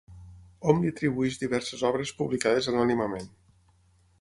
Hom li atribueix diverses obres publicades anònimament.